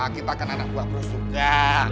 kita akan anak buah bersuka